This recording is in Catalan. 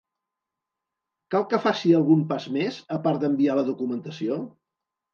Cal que faci algun pas més, a part d'enviar la documentació?